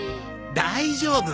大丈夫！